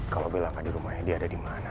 kalo bilang di rumahnya dia ada dimana